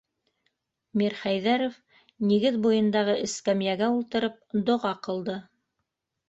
- Мирхәйҙәров, нигеҙ буйындағы эскәмйәгә ултырып, доға ҡылды.